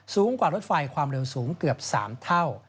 สูงกว่ารถไฟความเร็วสูงเกือบ๓เท่า